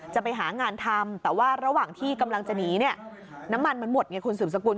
จะไปหางานทำแต่ว่าระหว่างที่กำลังจะหนีเนี่ยน้ำมันมันหมดไงคุณสืบสกุล